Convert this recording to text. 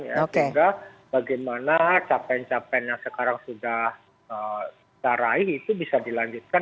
sehingga bagaimana capaian capaian yang sekarang sudah kita raih itu bisa dilanjutkan